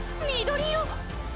緑色！